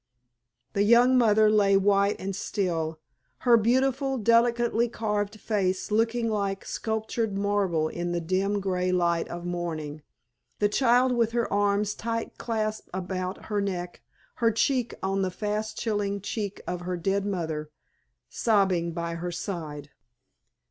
The young mother lay white and still, her beautiful delicately carved face looking like sculptured marble in the dim grey light of morning, the child with her arms tight clasped about her neck, her cheek on the fast chilling cheek of her dead mother, sobbing by her side.